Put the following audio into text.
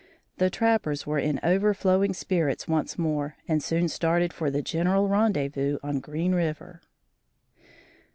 The trappers were in overflowing spirits once more and soon started for the general rendezvous on Green River.